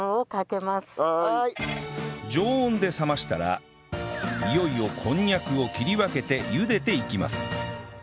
常温で冷ましたらいよいよこんにゃくを切り分けて茹でていきます